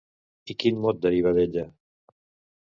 I quin mot deriva d'ella?